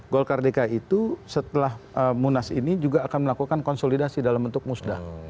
golkar dki itu setelah munas ini juga akan melakukan konsolidasi dalam bentuk musda